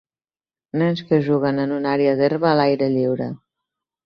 Nens que juguen en un àrea d'herba a l'aire lliure